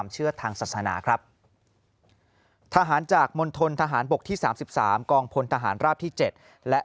เชื่อทางศาสนาครับทหารจากมณฑนทหารบกที่๓๓กองพลทหารราบที่๗และ